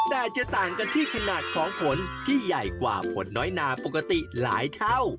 แต่จะต่างกันที่ขนาดของผลที่ใหญ่กว่าผลน้อยนาปกติหลายเท่า